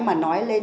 mà nói lên